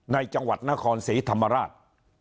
ในจังหวัดนครศรีธรรมราช